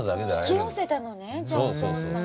引き寄せたのねじゃあお父さん。